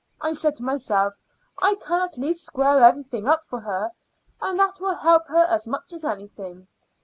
I said to myself I can at least square everything up for her, and that will help her as much as anything.